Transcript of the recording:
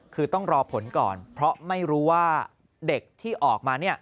คือต้องรอผลก่อนเพราะไม่รู้ว่าเด็กที่ออกมา